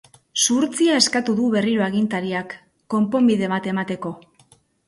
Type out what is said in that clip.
Zuhurtzia eskatu du berriro agintariak, konponbide bat emateko.